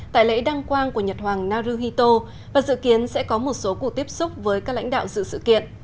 tại lễ đăng quang của nhật hoàng naruhito và dự kiến sẽ có một số cuộc tiếp xúc với các lãnh đạo dự sự kiện